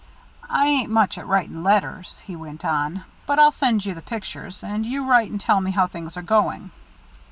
"I ain't much at writing letters," he went on, "but I'll send you the pictures, and you write and tell me how things are going."